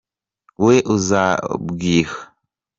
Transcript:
we uzabwiha”.